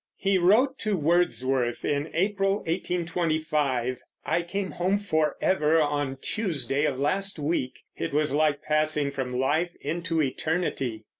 He wrote to Wordsworth, in April, 1825, "I came home forever on Tuesday of last week it was like passing from life into eternity."